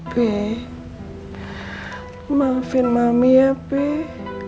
peh maafin mami ya peh